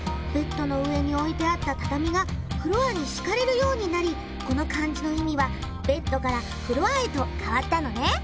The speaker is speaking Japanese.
ベッドの上に置いてあった畳がフロアに敷かれるようになりこの漢字の意味は「ベッド」から「フロア」へと変わったのね。